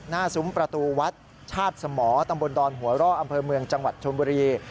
ซุ้มประตูวัดชาติสมตำบลดอนหัวร่ออำเภอเมืองจังหวัดชนบุรี